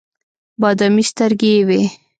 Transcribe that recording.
بادامي سترګې یې وې.